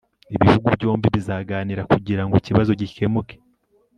ibihugu byombi bizaganira kugira ngo ikibazo gikemuke